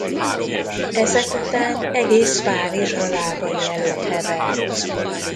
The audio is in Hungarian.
Ezek után egész Párizs a lábai előtt hever.